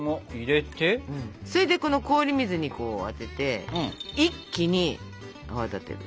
それでこの氷水にあてて一気に泡立てる。